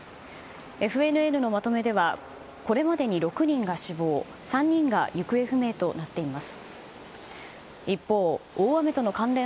ＦＮＮのまとめではこれまでに６人が死亡３人が行方不明となっています。